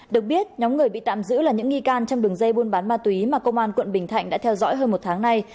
được biết nhóm người bị tạm giữ là những nghi can trong đường dây buôn bán ma túy mà công an quận bình thạnh đã theo dõi hơn một tháng nay